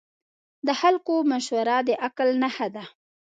د خلکو مشوره د عقل نښه ده.